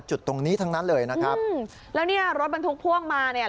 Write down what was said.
จุดตรงนี้ทั้งนั้นเลยนะครับอืมแล้วเนี่ยรถบรรทุกพ่วงมาเนี่ย